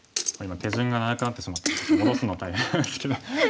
手順が長くなってしまって戻すのが大変なんですけど。